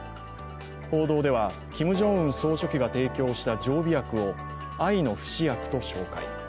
報道では、キム・ジョンウン総書記が提供した常備薬を愛の不死薬と紹介。